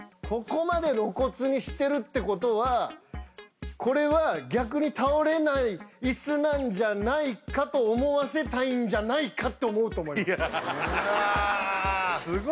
ここまで露骨にしてるってことはこれは逆に倒れないイスなんじゃないかと思わせたいんじゃないかって思うと思います